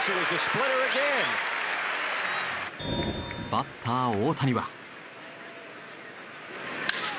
バッター大谷は。